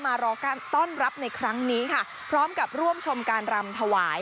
รอการต้อนรับในครั้งนี้ค่ะพร้อมกับร่วมชมการรำถวาย